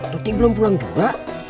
tuti belum pulang juga